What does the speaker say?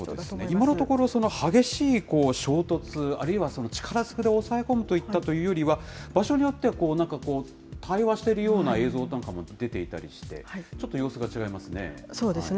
今のところ、激しい衝突、あるいは力ずくで抑え込むといったというよりは、場所によってはこう、なんか、対話しているような映像なんかも出ていたりして、そうですね。